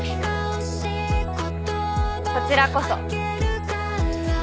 こちらこそ。